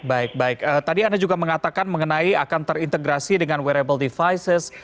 baik baik tadi anda juga mengatakan mengenai akan terintegrasi dengan wearable devices